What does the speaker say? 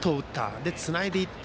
そして、つないでいった。